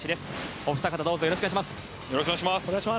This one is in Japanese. お二方、よろしくお願いします。